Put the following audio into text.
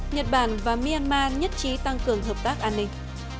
nhật bản và myanmar nhất trí tăng cường hợp tác an ninh